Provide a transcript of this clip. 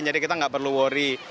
jadi kita nggak perlu worry